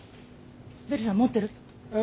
ベルさん持ってる？え？